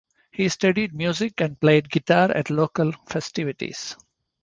He studied music and played guitar at local festivities.